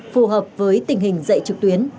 phù hợp với tình hình dạy trực tuyến